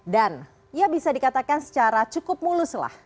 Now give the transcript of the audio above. dan ia bisa dikatakan secara cukup muluslah